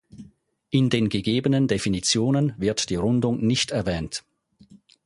In den gegebenen Definitionen wird die Rundung nicht erwähnt.